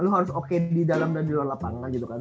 lu harus oke di dalam dan di luar lapangan gitu kan